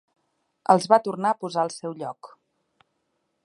Els va tornar a posar al seu lloc